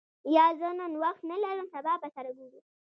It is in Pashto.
یا، زه نن وخت نه لرم سبا به سره ګورو.